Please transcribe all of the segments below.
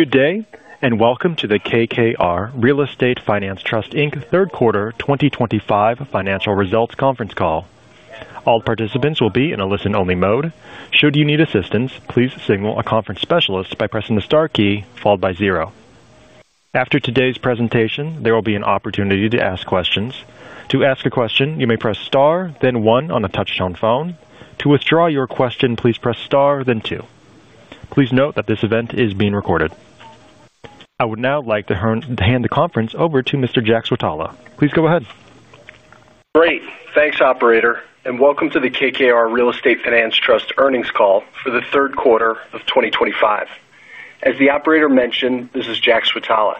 Good day, and welcome to the KKR Real Estate Finance Trust Inc. third quarter 2025 financial results conference call. All participants will be in a listen-only mode. Should you need assistance, please signal a conference specialist by pressing the star key followed by zero. After today's presentation, there will be an opportunity to ask questions. To ask a question, you may press star, then one on the touch-tone phone. To withdraw your question, please press star, then two. Please note that this event is being recorded. I would now like to hand the conference over to Mr. Jack Switala. Please go ahead. Great, thanks operator, and welcome to the KKR Real Estate Finance Trust Earnings Call for the third quarter of 2025. As the operator mentioned, this is Jack Switala.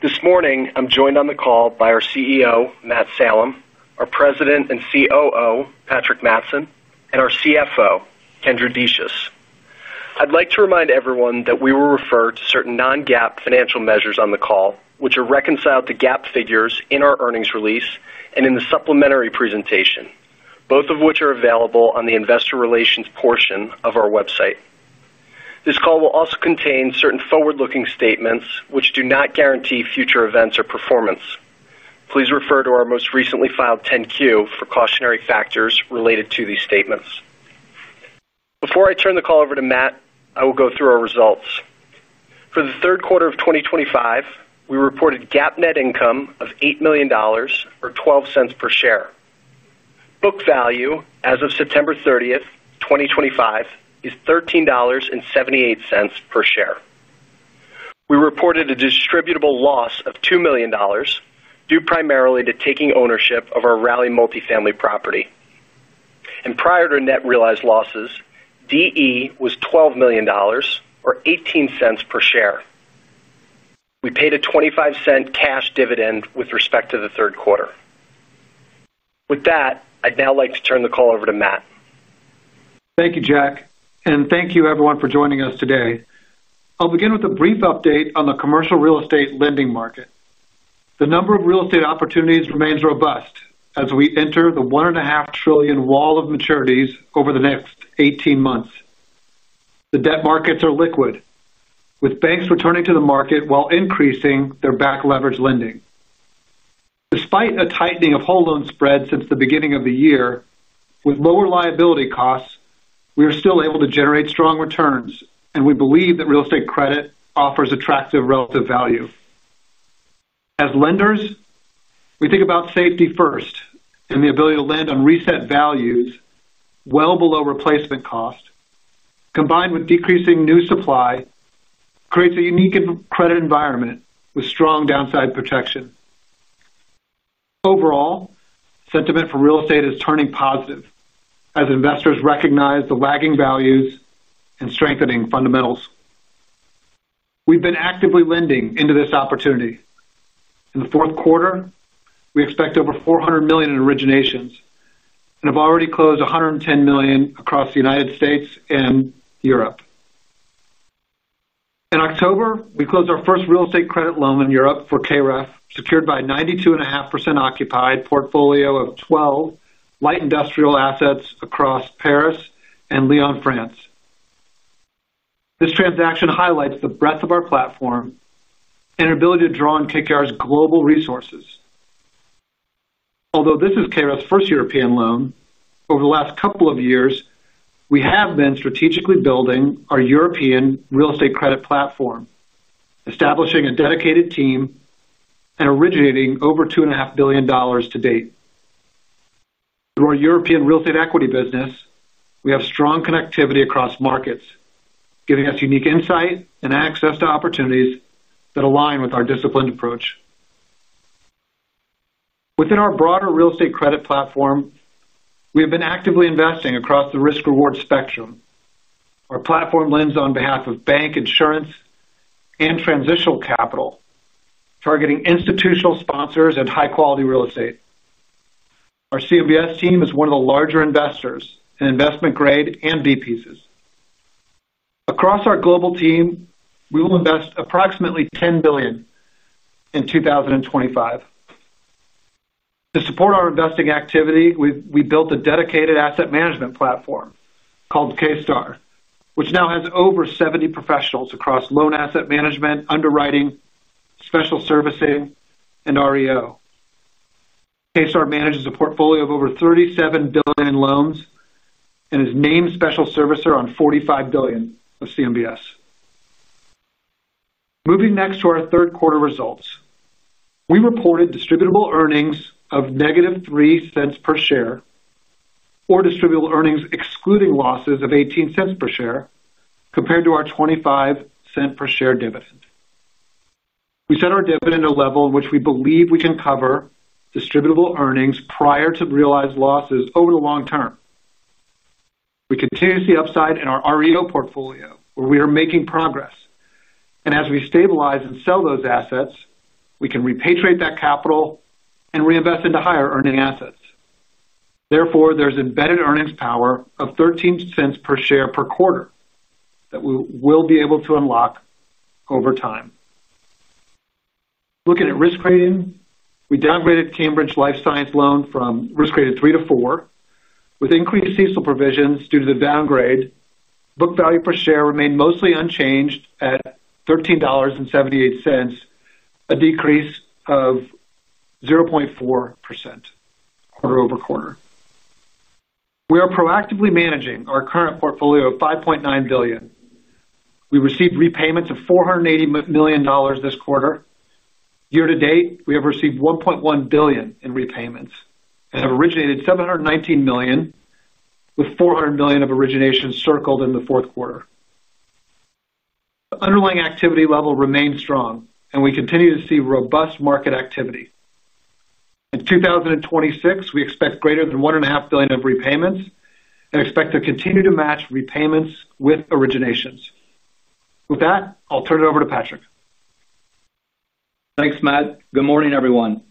This morning, I'm joined on the call by our CEO, Matt Salem, our President and COO, Patrick Mattson, and our CFO, Kendra Decious. I'd like to remind everyone that we will refer to certain non-GAAP financial measures on the call, which are reconciled to GAAP figures in our earnings release and in the supplementary presentation, both of which are available on the investor relations portion of our website. This call will also contain certain forward-looking statements, which do not guarantee future events or performance. Please refer to our most recently filed 10-Q for cautionary factors related to these statements. Before I turn the call over to Matt, I will go through our results. For the third quarter of 2025, we reported GAAP net income of $8 million or $0.12 per share. Book value, as of September 30, 2025, is $13.78 per share. We reported a distributable loss of $2 million, due primarily to taking ownership of our Raleigh Multifamily property. Prior to net realized losses, DE was $12 million or $0.18 per share. We paid a $0.25 cash dividend with respect to the third quarter. With that, I'd now like to turn the call over to Matt. Thank you, Jack, and thank you everyone for joining us today. I'll begin with a brief update on the commercial real estate lending market. The number of real estate opportunities remains robust as we enter the $1.5 trillion wall of maturities over the next 18 months. The debt markets are liquid, with banks returning to the market while increasing their back leverage lending. Despite a tightening of whole loan spreads since the beginning of the year, with lower liability costs, we are still able to generate strong returns, and we believe that real estate credit offers attractive relative value. As lenders, we think about safety first, and the ability to lend on reset values well below replacement cost, combined with decreasing new supply, creates a unique credit environment with strong downside protection. Overall, sentiment for real estate is turning positive as investors recognize the lagging values and strengthening fundamentals. We've been actively lending into this opportunity. In the fourth quarter, we expect over $400 million in originations and have already closed $110 million across the U.S. and Europe. In October, we closed our first real estate credit loan in Europe for KKR Real Estate Finance Trust Inc., secured by a 92.5% occupied portfolio of 12 light industrial assets across Paris and Lyon, France. This transaction highlights the breadth of our platform and our ability to draw on KKR's global resources. Although this is KKR Real Estate Finance Trust Inc.'s first European loan, over the last couple of years, we have been strategically building our European real estate credit platform, establishing a dedicated team, and originating over $2.5 billion to date. Through our European real estate equity business, we have strong connectivity across markets, giving us unique insight and access to opportunities that align with our disciplined approach. Within our broader real estate credit platform, we have been actively investing across the risk-reward spectrum. Our platform lends on behalf of bank insurance and transitional capital, targeting institutional sponsors and high-quality real estate. Our CMBS team is one of the larger investors in investment grade and B pieces. Across our global team, we will invest approximately $10 billion in 2025. To support our investing activity, we built a dedicated asset management platform called K-Star, which now has over 70 professionals across loan asset management, underwriting, special servicing, and REO. K-Star manages a portfolio of over $37 billion in loans and is named special servicer on $45 billion of CMBS. Moving next to our third quarter results, we reported distributable earnings of negative $0.03 per share, or distributable earnings excluding losses of $0.18 per share, compared to our $0.25 per share dividend. We set our dividend at a level in which we believe we can cover distributable earnings prior to realized losses over the long term. We continue to see upside in our REO portfolio, where we are making progress. As we stabilize and sell those assets, we can repatriate that capital and reinvest into higher earning assets. Therefore, there's embedded earnings power of $0.13 per share per quarter that we will be able to unlock over time. Looking at risk rating, we downgraded Cambridge Life Science Loan from risk rated 3-4, with increased CECL provisions due to the downgrade. Book value per share remained mostly unchanged at $13.78, a decrease of 0.4% quarter-over-quarter. We are proactively managing our current portfolio of $5.9 billion. We received repayments of $480 million this quarter. Year to date, we have received $1.1 billion in repayments and have originated $719 million, with $400 million of origination circled in the fourth quarter. The underlying activity level remains strong, and we continue to see robust market activity. In 2026, we expect greater than $1.5 billion of repayments and expect to continue to match repayments with originations. With that, I'll turn it over to Patrick. Thanks, Matt. Good morning, everyone.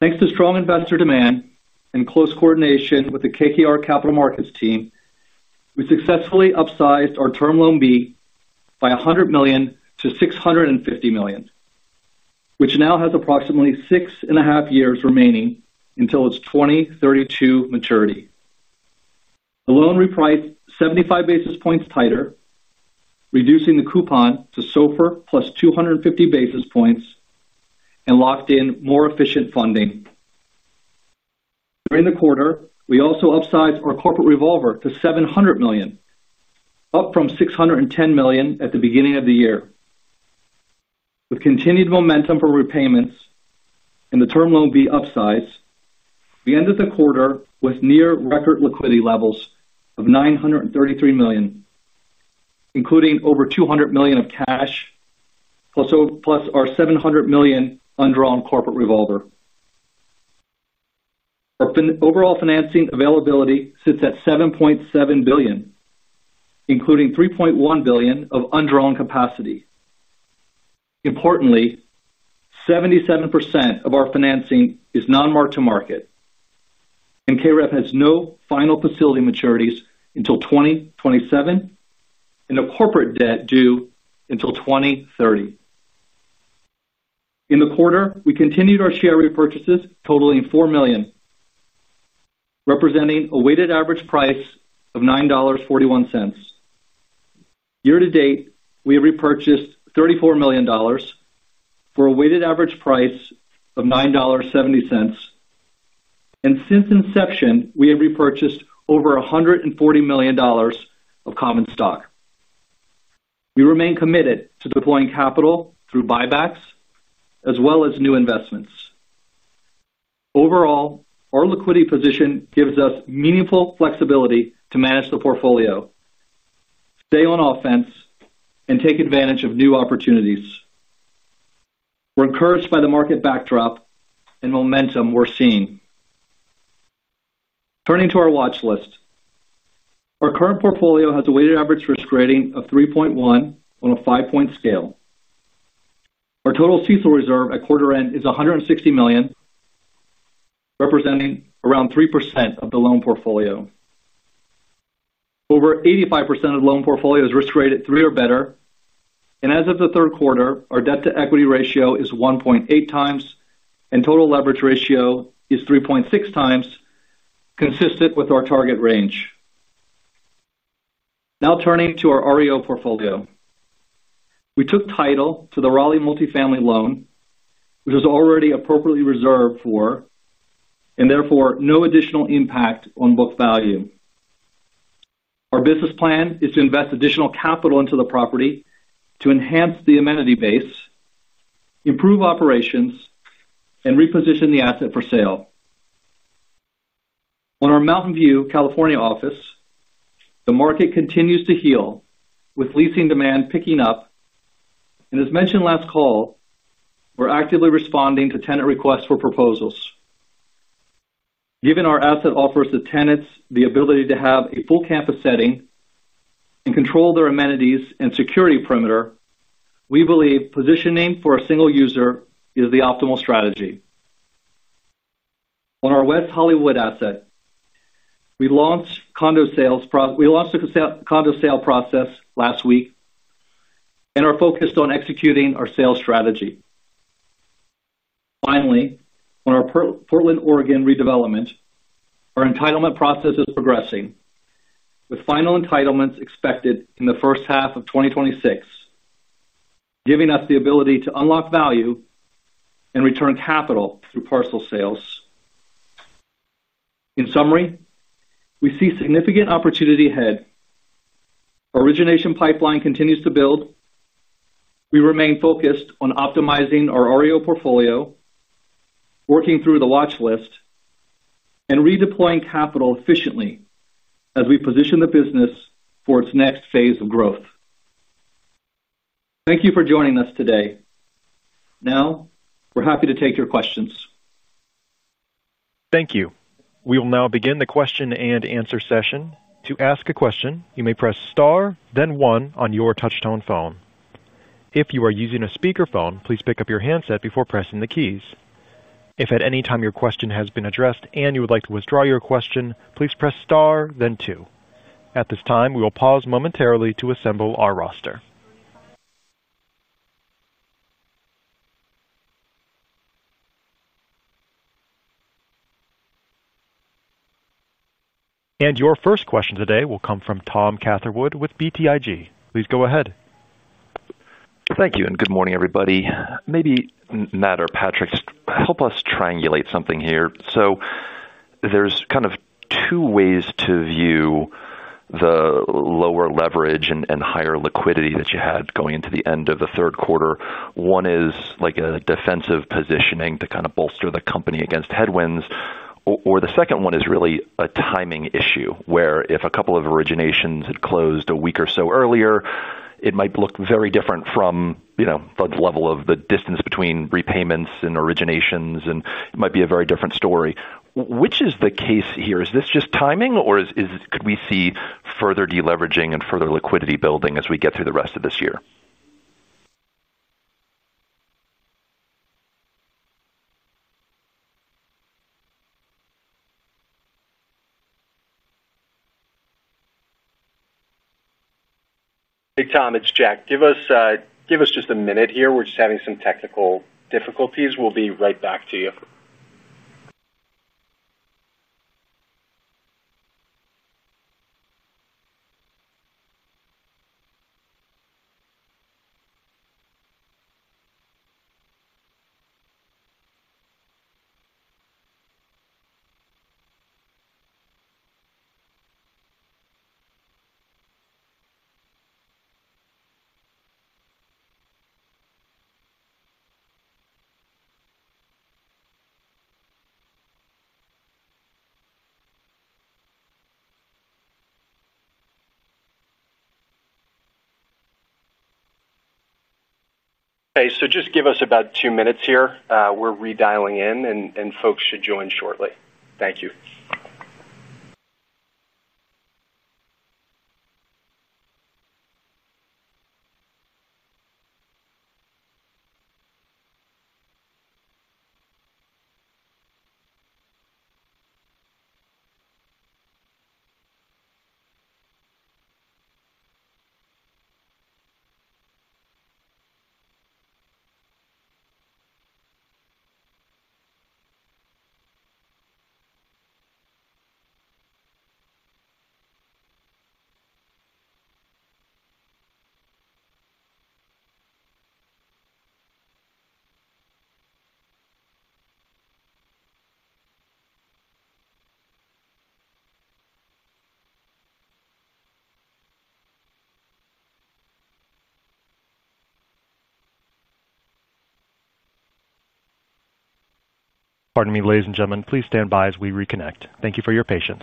Thanks to strong investor demand and close coordination with the KKR Capital Markets team, we successfully upsized our Term Loan B by $100 million-$650 million, which now has approximately six and a half years remaining until its 2032 maturity. The loan repriced 75 basis points tighter, reducing the coupon to SOFR +250 basis points, and locked in more efficient funding. During the quarter, we also upsized our corporate revolver to $700 million, up from $610 million at the beginning of the year. With continued momentum for repayments and the Term Loan B upsize, we ended the quarter with near record liquidity levels of $933 million, including over $200 million of cash plus our $700 million underwriting corporate revolver. Our overall financing availability sits at $7.7 billion, including $3.1 billion of underwriting capacity. Importantly, 77% of our financing is non-mark-to-market, and KKR Real Estate Finance Trust Inc. has no final facility maturities until 2027 and no corporate debt due until 2030. In the quarter, we continued our share repurchases totaling $4 million, representing a weighted average price of $9.41. Year to date, we have repurchased $34 million for a weighted average price of $9.70, and since inception, we have repurchased over $140 million of common stock. We remain committed to deploying capital through buybacks as well as new investments. Overall, our liquidity position gives us meaningful flexibility to manage the portfolio, stay on offense, and take advantage of new opportunities. We're encouraged by the market backdrop and momentum we're seeing. Turning to our watch list, our current portfolio has a weighted average risk rating of 3.1 on a 5-point scale. Our total CECL reserve at quarter end is $160 million, representing around 3% of the loan portfolio. Over 85% of the loan portfolio is risk rated 3 or better, and as of the third quarter, our debt-to-equity ratio is 1.8 times, and total leverage ratio is 3.6 times, consistent with our target range. Now turning to our REO portfolio, we took title to the Raleigh multifamily loan, which is already appropriately reserved for, and therefore no additional impact on book value. Our business plan is to invest additional capital into the property to enhance the amenity base, improve operations, and reposition the asset for sale. On our Mountain View, California office, the market continues to heal, with leasing demand picking up. As mentioned last call, we're actively responding to tenant requests for proposals. Given our asset offers the tenants the ability to have a full campus setting and control their amenities and security perimeter, we believe positioning for a single user is the optimal strategy. On our West Hollywood asset, we launched condo sales process last week and are focused on executing our sales strategy. Finally, on our Portland, Oregon redevelopment, our entitlement process is progressing, with final entitlements expected in the first half of 2026, giving us the ability to unlock value and return capital through parcel sales. In summary, we see significant opportunity ahead. Our origination pipeline continues to build. We remain focused on optimizing our REO portfolio, working through the watch list, and redeploying capital efficiently as we position the business for its next phase of growth. Thank you for joining us today. Now, we're happy to take your questions. Thank you. We will now begin the question-and-answer session. To ask a question, you may press star, then one on your touch-tone phone. If you are using a speaker phone, please pick up your handset before pressing the keys. If at any time your question has been addressed and you would like to withdraw your question, please press star, then two. At this time, we will pause momentarily to assemble our roster. Your first question today will come from Tom Catherwood with BTIG. Please go ahead. Thank you, and good morning, everybody. Maybe Matt or Patrick, help us triangulate something here. There are kind of two ways to view the lower leverage and higher liquidity that you had going into the end of the third quarter. One is like a defensive positioning to bolster the company against headwinds, or the second one is really a timing issue where if a couple of originations had closed a week or so earlier, it might look very different from the level of the distance between repayments and originations, and it might be a very different story. Which is the case here? Is this just timing, or could we see further deleveraging and further liquidity building as we get through the rest of this year? Hey, Tom, it's Jack. Give us just a minute here. We're just having some technical difficulties. We'll be right back to you. Okay, just give us about two minutes here. We're redialing in, and folks should join shortly. Thank you. Pardon me, ladies and gentlemen, please stand by as we reconnect. Thank you for your patience.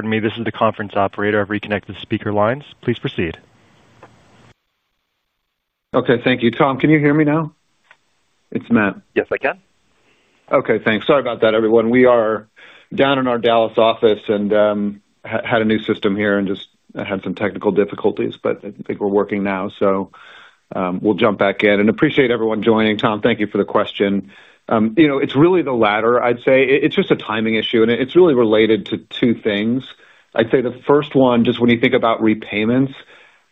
Pardon me, this is the conference operator. I've reconnected the speaker lines. Please proceed. Okay, thank you. Tom, can you hear me now? It's Matt. Yes, I can Matt. Okay, thanks. Sorry about that, everyone. We are down in our Dallas office and had a new system here and just had some technical difficulties, but I think we're working now. We'll jump back in and appreciate everyone joining. Tom, thank you for the question. You know, it's really the latter, I'd say. It's just a timing issue, and it's really related to two things. I'd say the first one, just when you think about repayments,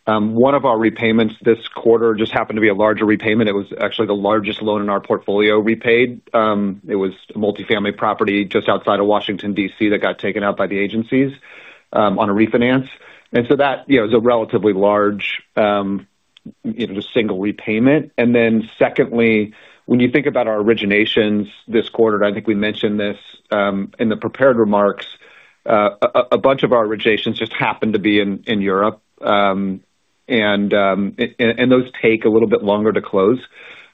one of our repayments this quarter just happened to be a larger repayment. It was actually the largest loan in our portfolio repaid. It was a multifamily property just outside of Washington, D.C., that got taken out by the agencies on a refinance. That is a relatively large, just single repayment. Secondly, when you think about our originations this quarter, and I think we mentioned this in the prepared remarks, a bunch of our originations just happened to be in Europe, and those take a little bit longer to close.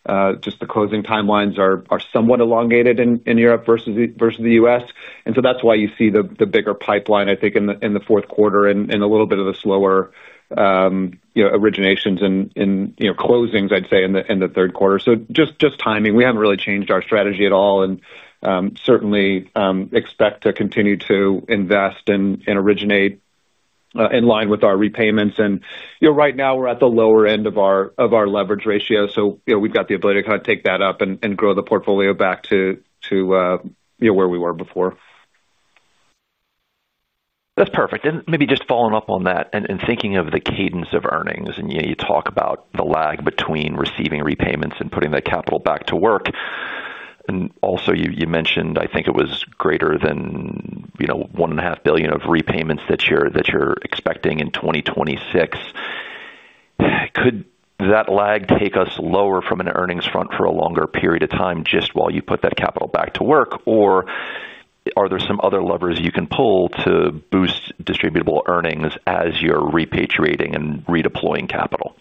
The closing timelines are somewhat elongated in Europe versus the U.S., and that's why you see the bigger pipeline, I think, in the fourth quarter and a little bit of the slower originations and closings, I'd say, in the third quarter. It's just timing. We haven't really changed our strategy at all and certainly expect to continue to invest and originate in line with our repayments. Right now we're at the lower end of our leverage ratio, so we've got the ability to kind of take that up and grow the portfolio back to where we were before. That's perfect. Maybe just following up on that and thinking of the cadence of earnings, you talk about the lag between receiving repayments and putting that capital back to work. You also mentioned, I think it was greater than $1.5 billion of repayments that you're expecting in 2026. Could that lag take us lower from an earnings front for a longer period of time just while you put that capital back to work, or are there some other levers you can pull to boost distributable earnings as you're repatriating and redeploying capital?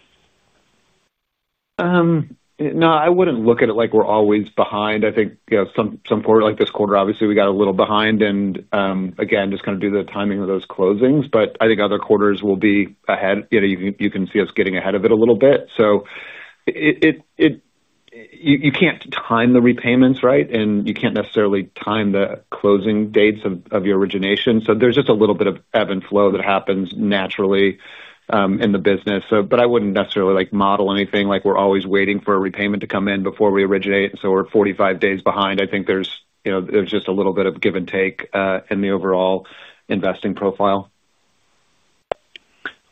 No, I wouldn't look at it like we're always behind. I think some quarter, like this quarter, obviously we got a little behind, just kind of due to the timing of those closings. I think other quarters will be ahead. You can see us getting ahead of it a little bit. You can't time the repayments, right? You can't necessarily time the closing dates of your originations. There's just a little bit of ebb and flow that happens naturally in the business. I wouldn't necessarily model anything like we're always waiting for a repayment to come in before we originate, and so we're 45 days behind. I think there's just a little bit of give and take in the overall investing profile.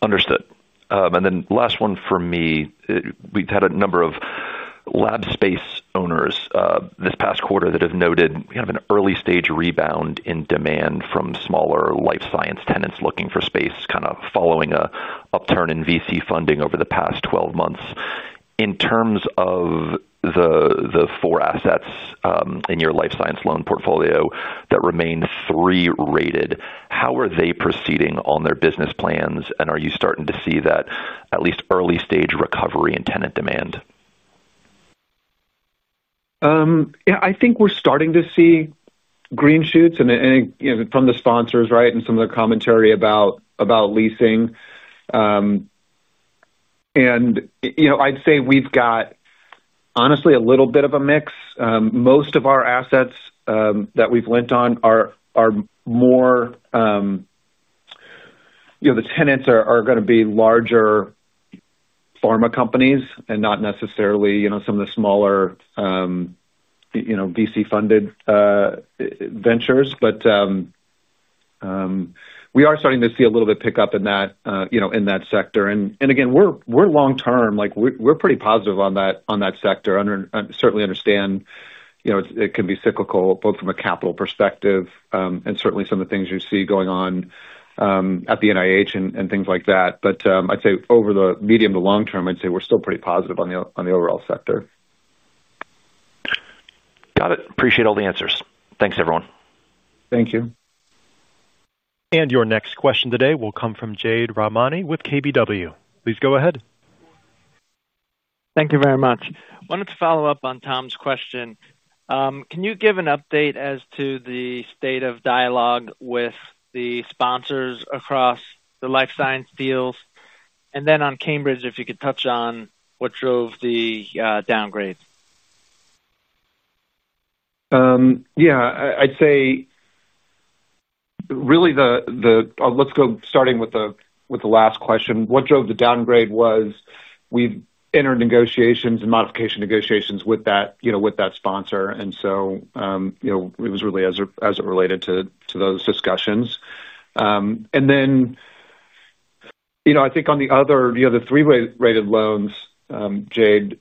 Understood. Last one for me, we've had a number of lab space owners this past quarter that have noted kind of an early stage rebound in demand from smaller life science tenants looking for space, kind of following an upturn in VC funding over the past 12 months. In terms of the four assets in your life science loan portfolio that remain three-rated, how are they proceeding on their business plans? Are you starting to see that at least early stage recovery in tenant demand? Yeah, I think we're starting to see green shoots from the sponsors, right, and some of the commentary about leasing. I'd say we've got honestly a little bit of a mix. Most of our assets that we've lent on are more, you know, the tenants are going to be larger pharma companies and not necessarily some of the smaller VC-funded ventures. We are starting to see a little bit of pickup in that sector. Again, we're long-term, like we're pretty positive on that sector. I certainly understand it can be cyclical both from a capital perspective and certainly some of the things you see going on at the NIH and things like that. I'd say over the medium to long term, we're still pretty positive on the overall sector. Got it. Appreciate all the answers. Thanks, everyone. Thank you. Your next question today will come from Jade Rahmani with KBW. Please go ahead. Thank you very much. I wanted to follow up on Tom's question. Can you give an update as to the state of dialogue with the sponsors across the life science fields? On Cambridge, if you could touch on what drove the downgrade? Yeah, I'd say really, let's go starting with the last question. What drove the downgrade was we've entered negotiations and modification negotiations with that sponsor. It was really as it related to those discussions. I think on the other, the three-way rated loans, Jade,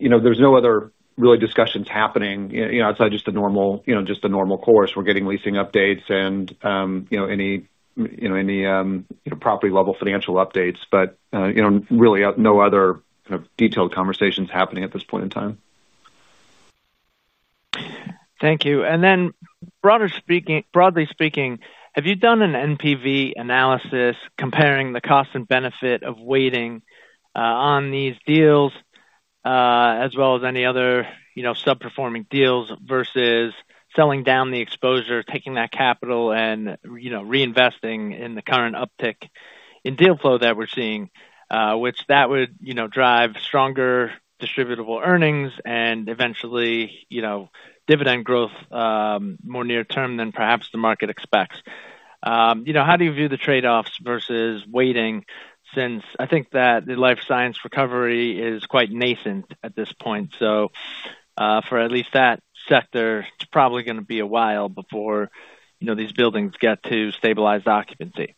there's no other really discussions happening outside just the normal course. We're getting leasing updates and any property level financial updates, but really no other kind of detailed conversations happening at this point in time. Thank you. Broadly speaking, have you done an NPV analysis comparing the cost and benefit of waiting on these deals, as well as any other sub-performing deals versus selling down the exposure, taking that capital, and reinvesting in the current uptick in deal flow that we're seeing? That would drive stronger distributable earnings and eventually dividend growth more near term than perhaps the market expects. How do you view the trade-offs versus waiting, since I think that the life science recovery is quite nascent at this point? For at least that sector, it's probably going to be a while before these buildings get to stabilized occupancy.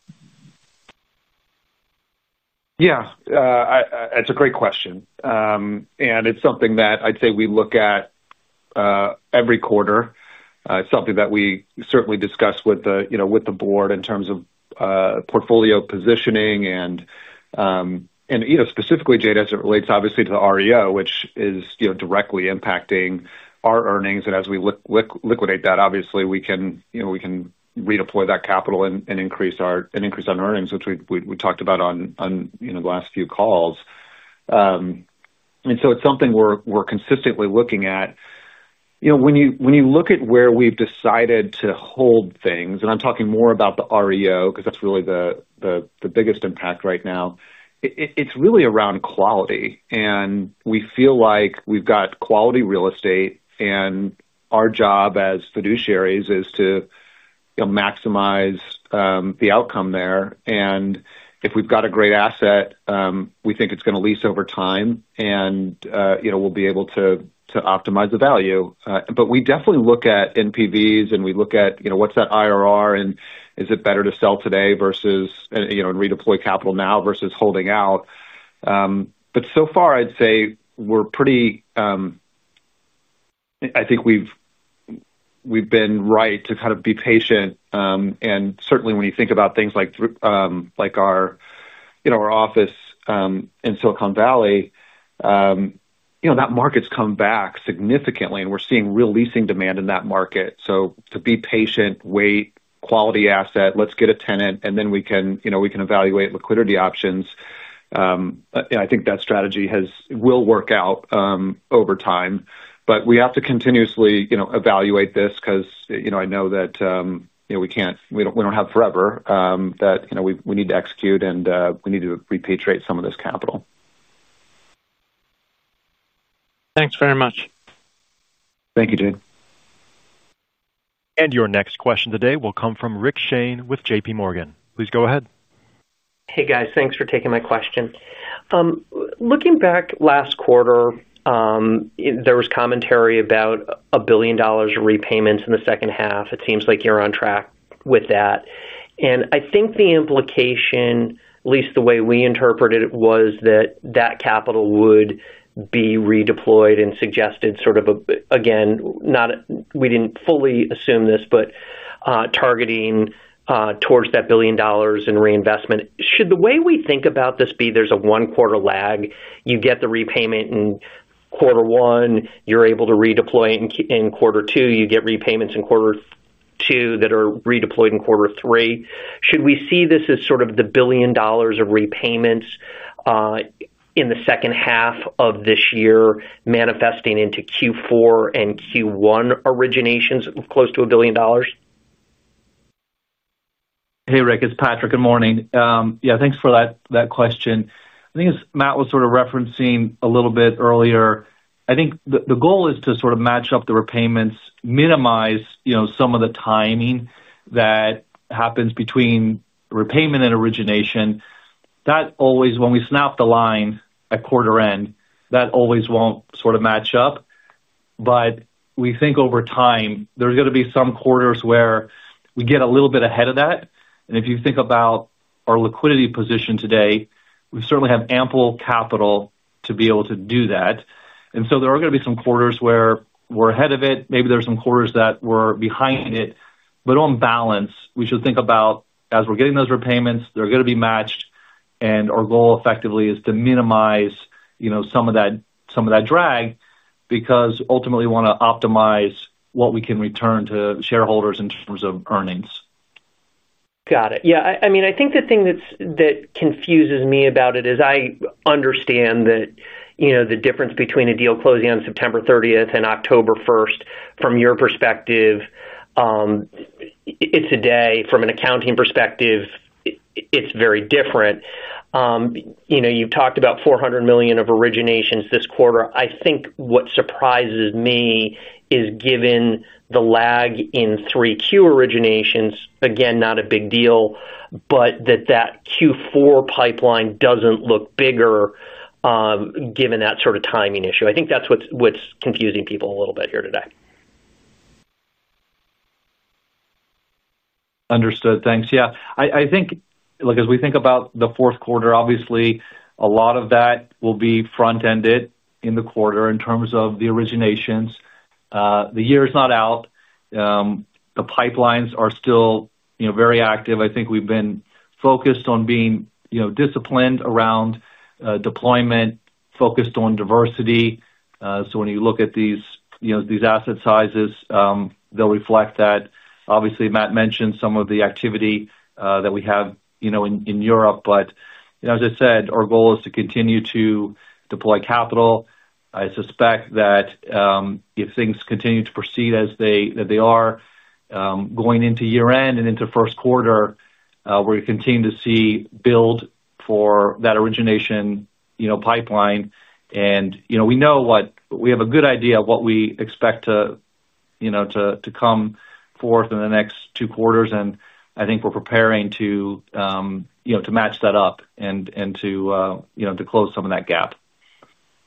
Yeah, it's a great question. It's something that I'd say we look at every quarter. It's something that we certainly discuss with the board in terms of portfolio positioning and, specifically, as it relates to the REO, which is directly impacting our earnings. As we look to liquidate that, we can redeploy that capital and increase our earnings, which we talked about on the last few calls. It's something we're consistently looking at. When you look at where we've decided to hold things, and I'm talking more about the REO because that's really the biggest impact right now, it's really around quality. We feel like we've got quality real estate, and our job as fiduciaries is to maximize the outcome there. If we've got a great asset, we think it's going to lease over time, and we'll be able to optimize the value. We definitely look at NPVs, and we look at what's that IRR, and is it better to sell today and redeploy capital now versus holding out? I'd say we've been right to be patient. Certainly, when you think about things like our office in Silicon Valley, that market's come back significantly, and we're seeing real leasing demand in that market. To be patient, wait, quality asset, let's get a tenant, and then we can evaluate liquidity options. I think that strategy will work out over time. We have to continuously evaluate this because I know that we can't, we don't have forever, we need to execute, and we need to repatriate some of this capital. Thanks very much. Thank you, Jane. Your next question today will come from Rick Shane with JPMorgan. Please go ahead. Hey guys, thanks for taking my question. Looking back last quarter, there was commentary about $1 billion of repayments in the second half. It seems like you're on track with that. I think the implication, at least the way we interpreted it, was that capital would be redeployed and suggested sort of, again, not we didn't fully assume this, but targeting towards that $1 billion in reinvestment. Should the way we think about this be there's a one-quarter lag? You get the repayment in quarter one, you're able to redeploy it in quarter two, you get repayments in quarter two that are redeployed in quarter three. Should we see this as sort of the $1 billion of repayments in the second half of this year manifesting into Q4 and Q1 originations of close to $1 billion? Hey Rick, it's Patrick. Good morning. Thanks for that question. I think as Matt was referencing a little bit earlier, the goal is to sort of match up the repayments, minimize some of the timing that happens between repayment and origination. That always, when we snap the line at quarter end, won't sort of match up. We think over time, there's going to be some quarters where we get a little bit ahead of that. If you think about our liquidity position today, we certainly have ample capital to be able to do that. There are going to be some quarters where we're ahead of it. Maybe there's some quarters that we're behind it. On balance, we should think about as we're getting those repayments, they're going to be matched. Our goal effectively is to minimize some of that drag because ultimately we want to optimize what we can return to shareholders in terms of earnings. Got it. I think the thing that confuses me about it is I understand that the difference between a deal closing on September 30th and October 1st, from your perspective, it's a day. From an accounting perspective, it's very different. You've talked about $400 million of originations this quarter. I think what surprises me is given the lag in Q3 originations, again, not a big deal, but that Q4 pipeline doesn't look bigger, given that sort of timing issue. I think that's what's confusing people a little bit here today. Understood. Thanks. Yeah, I think, look, as we think about the fourth quarter, a lot of that will be front-ended in the quarter in terms of the originations. The year is not out. The pipelines are still very active. I think we've been focused on being disciplined around deployment, focused on diversity. When you look at these asset sizes, they'll reflect that. Obviously, Matt mentioned some of the activity that we have in Europe. As I said, our goal is to continue to deploy capital. I suspect that if things continue to proceed as they are, going into year-end and into the first quarter, we're going to continue to see build for that origination pipeline. We know what we have a good idea of what we expect to come forth in the next two quarters. I think we're preparing to match that up and to close some of that gap.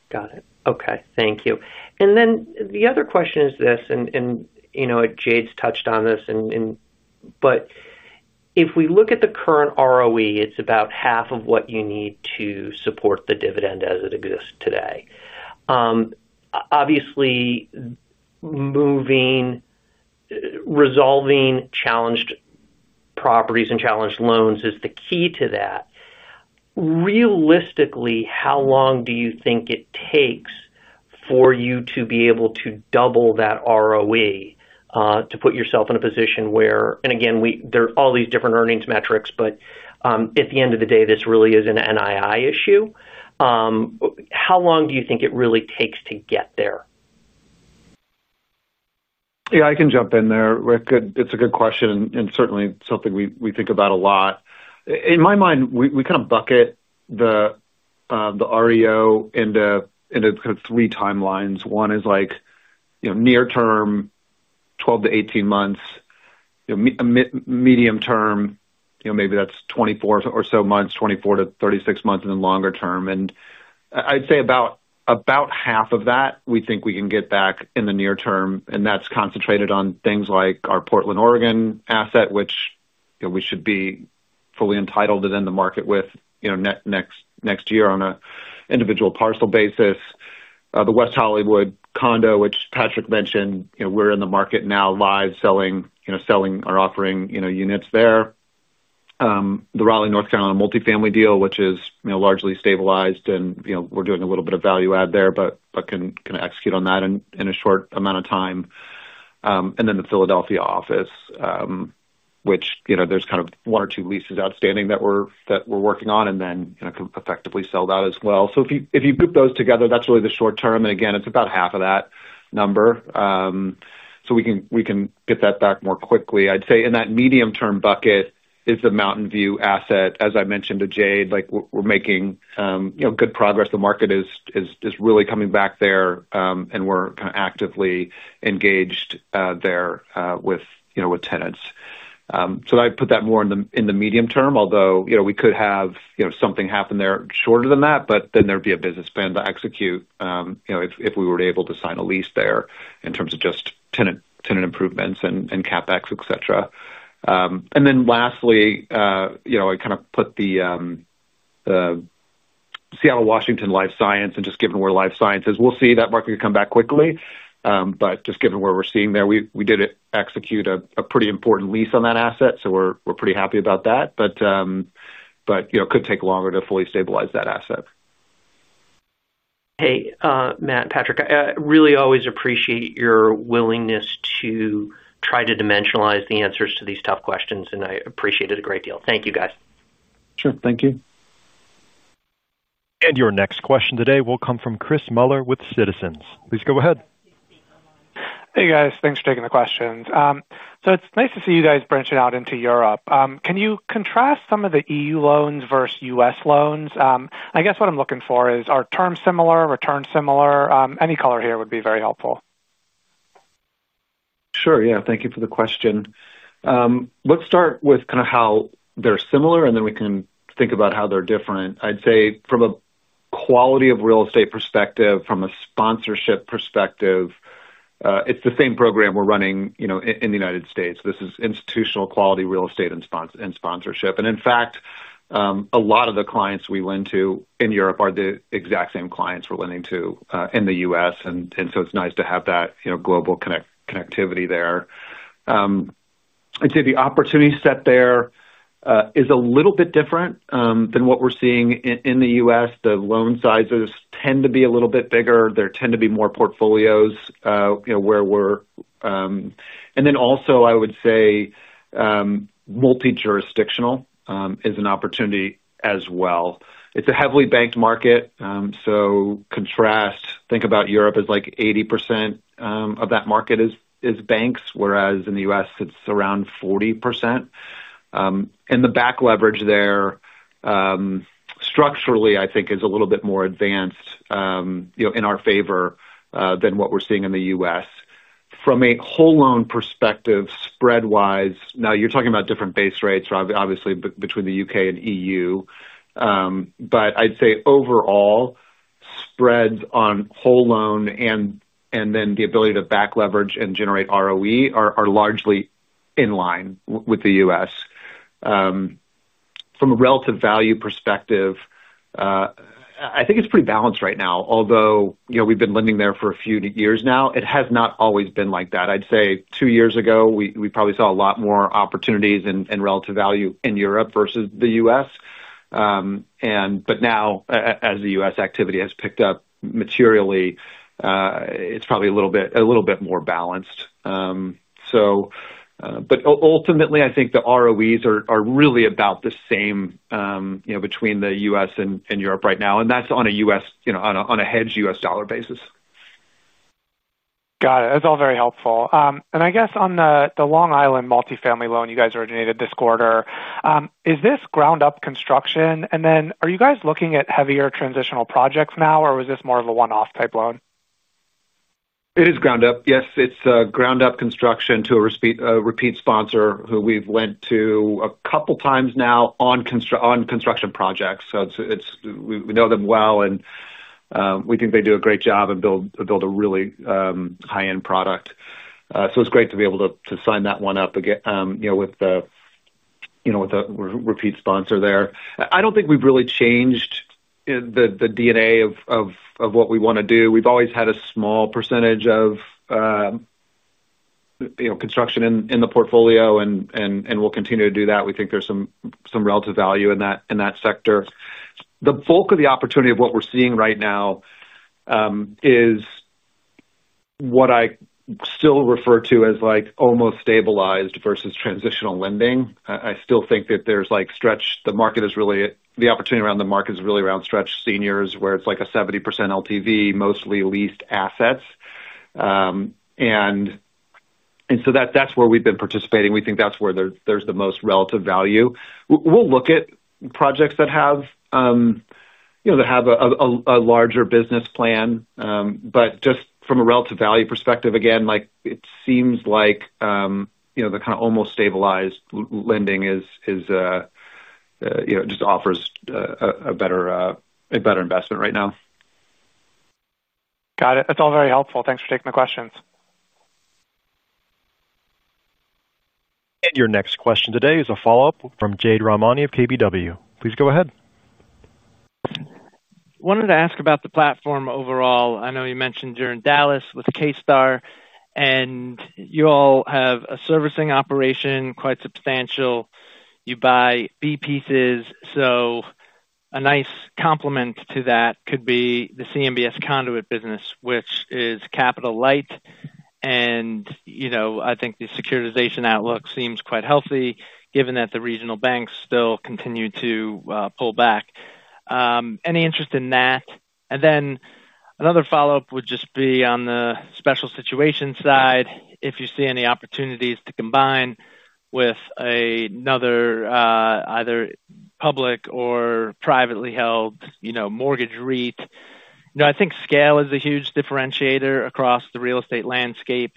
Got it. Okay. Thank you. The other question is this, and, you know, Jade's touched on this, but if we look at the current ROE, it's about half of what you need to support the dividend as it exists today. Obviously, moving, resolving challenged properties and challenged loans is the key to that. Realistically, how long do you think it takes for you to be able to double that ROE to put yourself in a position where, and again, there are all these different earnings metrics, but at the end of the day, this really is an NII issue. How long do you think it really takes to get there? Yeah, I can jump in there, Rick. It's a good question and certainly something we think about a lot. In my mind, we kind of bucket the REO into three timelines. One is near term, 12-18 months, medium term, maybe that's 24 or so months, 24-36 months, and then longer term. I'd say about half of that we think we can get back in the near term, and that's concentrated on things like our Portland, Oregon asset, which we should be fully entitled to then the market with next year on an individual parcel basis. The West Hollywood condo, which Patrick mentioned, we're in the market now live selling or offering units there. The Raleigh, North Carolina multifamily deal, which is largely stabilized, and we're doing a little bit of value add there, but can kind of execute on that in a short amount of time. The Philadelphia office, there's one or two leases outstanding that we're working on and then can effectively sell that as well. If you group those together, that's really the short term, and again, it's about half of that number. We can get that back more quickly. I'd say in that medium term bucket is the Mountain View asset. As I mentioned to Jade, we're making good progress. The market is really coming back there, and we're actively engaged there with tenants. I put that more in the medium term, although we could have something happen there shorter than that, but then there'd be a business plan to execute if we were able to sign a lease there in terms of just tenant improvements and CapEx, etc. Lastly, I put the Seattle, Washington life science, and just given where life science is, we'll see. That market could come back quickly. Just given what we're seeing there, we did execute a pretty important lease on that asset, so we're pretty happy about that. It could take longer to fully stabilize that asset. Hey, Matt, Patrick, I really always appreciate your willingness to try to dimensionalize the answers to these tough questions, and I appreciate it a great deal. Thank you, guys. Sure, thank you. Your next question today will come from Chris Miller with Citizens JMP. Please go ahead. Hey guys, thanks for taking the questions. It's nice to see you guys branching out into Europe. Can you contrast some of the EU loans versus U.S. loans? I guess what I'm looking for is, are terms similar, returns similar? Any color here would be very helpful. Sure, yeah, thank you for the question. Let's start with kind of how they're similar, and then we can think about how they're different. I'd say from a quality of real estate perspective, from a sponsorship perspective, it's the same program we're running in the U.S. This is institutional quality real estate and sponsorship. In fact, a lot of the clients we lend to in Europe are the exact same clients we're lending to in the U.S., and it's nice to have that global connectivity there. I'd say the opportunity set there is a little bit different than what we're seeing in the U.S. The loan sizes tend to be a little bit bigger. There tend to be more portfolios where we're... I would say multi-jurisdictional is an opportunity as well. It's a heavily banked market, so contrast, think about Europe as like 80% of that market is banks, whereas in the U.S. it's around 40%. The back leverage there, structurally, I think is a little bit more advanced in our favor than what we're seeing in the U.S. From a whole loan perspective, spread-wise, now you're talking about different base rates, obviously, between the U.K. and EU, but I'd say overall, spreads on whole loan and then the ability to back leverage and generate ROE are largely in line with the U.S. From a relative value perspective, I think it's pretty balanced right now, although we've been lending there for a few years now. It has not always been like that. I'd say two years ago, we probably saw a lot more opportunities and relative value in Europe versus the U.S. Now, as the U.S. activity has picked up materially, it's probably a little bit more balanced. Ultimately, I think the ROEs are really about the same between the U.S. and Europe right now, and that's on a U.S., on a hedge U.S. dollar basis. That's all very helpful. I guess on the Long Island multifamily loan you guys originated this quarter, is this ground-up construction, and then are you guys looking at heavier transitional projects now, or was this more of a one-off type loan? It is ground-up, yes. It's ground-up construction to a repeat sponsor who we've lent to a couple of times now on construction projects. We know them well, and we think they do a great job and build a really high-end product. It's great to be able to sign that one up with a repeat sponsor there. I don't think we've really changed the DNA of what we want to do. We've always had a small percentage of construction in the portfolio, and we'll continue to do that. We think there's some relative value in that sector. The bulk of the opportunity of what we're seeing right now is what I still refer to as almost stabilized versus transitional lending. I still think that the market is really, the opportunity around the market is really around stretched seniors where it's like a 70% LTV, mostly leased assets. That's where we've been participating. We think that's where there's the most relative value. We'll look at projects that have a larger business plan. Just from a relative value perspective, again, it seems like the kind of almost stabilized lending just offers a better investment right now. Got it. That's all very helpful. Thanks for taking the questions. Your next question today is a follow-up from Jade Rahmani of KBW. Please go ahead. I wanted to ask about the platform overall. I know you mentioned you're in Dallas with K-Star, and you all have a servicing operation, quite substantial. You buy B pieces. A nice complement to that could be the CMBS conduit business, which is capital light. I think the securitization outlook seems quite healthy given that the regional banks still continue to pull back. Any interest in that? Another follow-up would just be on the special situation side, if you see any opportunities to combine with another either public or privately held mortgage REIT. I think scale is a huge differentiator across the real estate landscape.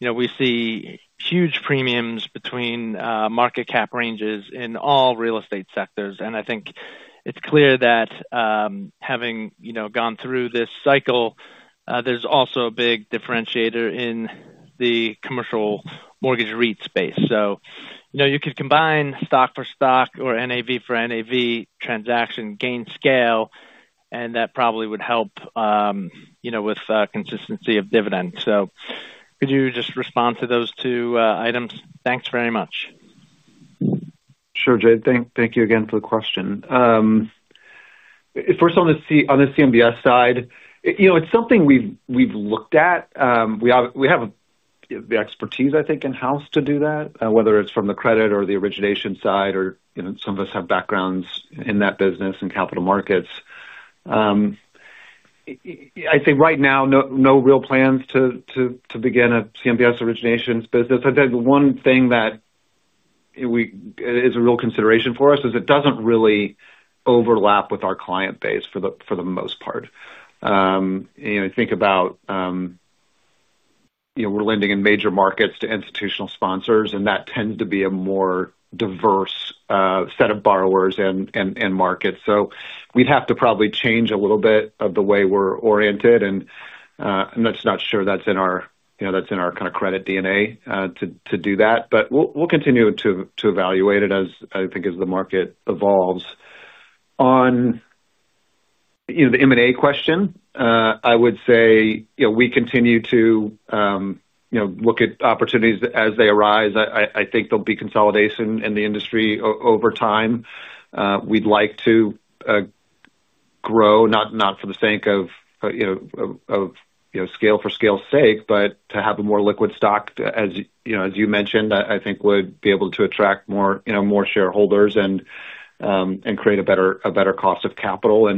We see huge premiums between market cap ranges in all real estate sectors. I think it's clear that having gone through this cycle, there's also a big differentiator in the commercial mortgage REIT space. You could combine stock for stock or NAV for NAV transaction, gain scale, and that probably would help with consistency of dividends. Could you just respond to those two items? Thanks very much. Sure, Jade. Thank you again for the question. First, on the CMBS side, it's something we've looked at. We have the expertise, I think, in-house to do that, whether it's from the credit or the origination side, or some of us have backgrounds in that business and capital markets. I'd say right now, no real plans to begin a CMBS originations business. I think the one thing that is a real consideration for us is it doesn't really overlap with our client base for the most part. I think about, we're lending in major markets to institutional sponsors, and that tends to be a more diverse set of borrowers and markets. We'd have to probably change a little bit of the way we're oriented, and I'm just not sure that's in our kind of credit DNA to do that. We'll continue to evaluate it as the market evolves. On the M&A question, I would say we continue to look at opportunities as they arise. I think there'll be consolidation in the industry over time. We'd like to grow, not for the sake of scale for scale's sake, but to have a more liquid stock, as you mentioned, I think would be able to attract more shareholders and create a better cost of capital.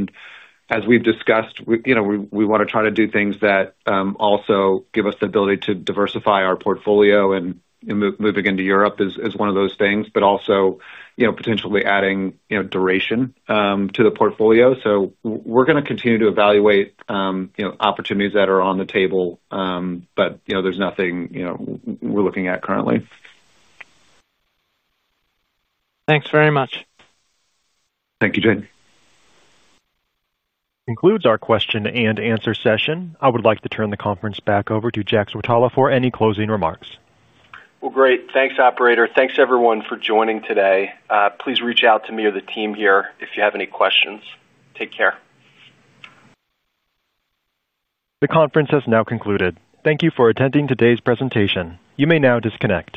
As we've discussed, we want to try to do things that also give us the ability to diversify our portfolio and move again to Europe is one of those things, but also potentially adding duration to the portfolio. We're going to continue to evaluate opportunities that are on the table, but there's nothing we're looking at currently. Thanks very much. Thank you, Jane. Concludes our question-and-answer session. I would like to turn the conference back over to Jack Switala for any closing remarks. Great. Thanks, operator. Thanks, everyone, for joining today. Please reach out to me or the team here if you have any questions. Take care. The conference has now concluded. Thank you for attending today's presentation. You may now disconnect.